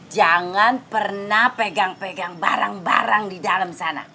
jangan pernah pegang pegang barang barang di dalam sana